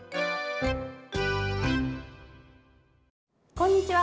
こんにちは。